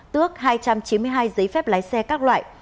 tước hai trăm chín mươi hai giấy phép lái xe các loại